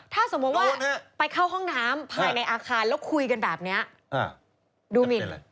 ถ้าสมมุติว่าไปเข้าห้องน้ำภายในอาคารแล้วคุยกันแบบนี้ดูหมิน